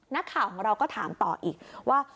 นักข่าวของเราก็ถามต่ออีกว่า